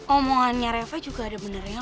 omongannya reve juga ada benernya